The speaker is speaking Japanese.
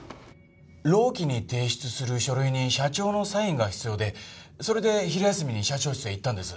労基に提出する書類に社長のサインが必要でそれで昼休みに社長室へ行ったんです。